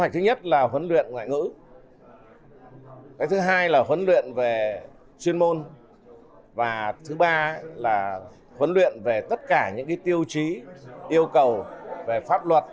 cái thứ hai là huấn luyện về chuyên môn và thứ ba là huấn luyện về tất cả những tiêu chí yêu cầu về pháp luật